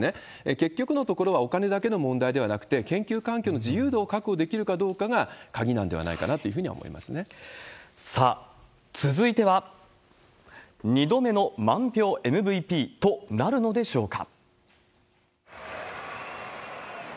結局のところはお金だけの問題ではなくて、研究環境の自由度を確保できるかどうかが、鍵なんではないかなとさあ、続いては、２度目のまんびょうえむぶいぴーとなるのでしょうか。